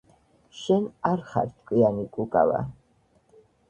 შენ არ ხარ ჭკვიანი კუკავა